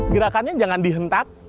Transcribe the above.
gerakannya jangan dihentak